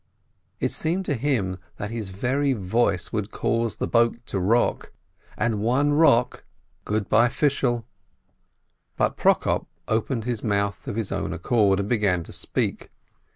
It seemed to him that his very voice would cause the boat to rock, and one rock — good by, Fishel ! But Prokop opened his mouth of his own accord, and began to speak.